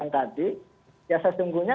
tadi ya sesungguhnya